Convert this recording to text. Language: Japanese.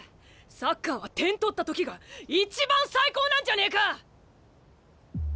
サッカーは点取った時が一番最高なんじゃねえか！